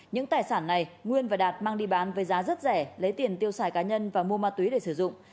những tài sản này nguyên và đạt mang đi bán với giá rất rẻ lấy tiền tiêu xài cá nhân và mua ma túy để sử dụng